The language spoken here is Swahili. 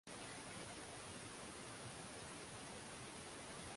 kulingana na Radlov au Kituruki cha Mashariki